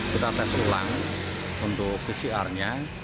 kita tes ulang untuk pcrnya